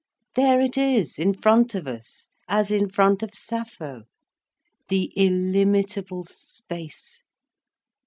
There it is, in front of us, as in front of Sappho, the illimitable space.